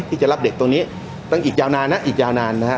ที่จะรับเด็กตรงนี้ตั้งอีกยาวนานนะอีกยาวนานนะฮะ